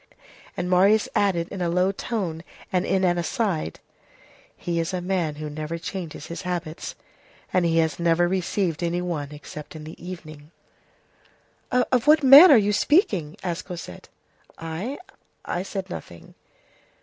And Marius added in a low tone and in an aside:— "He is a man who never changes his habits, and he has never received any one except in the evening." "Of what man are you speaking?" asked Cosette. "I? I said nothing."